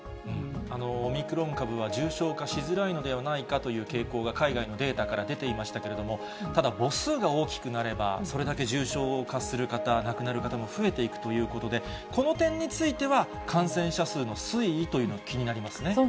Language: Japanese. オミクロン株は重症化しづらいのではないかという傾向が、海外のデータから出ていましたけれども、ただ、母数が大きくなれば、それだけ重症化する方、亡くなる方も増えていくということで、この点については、感染者数の推移というのが気になりますね。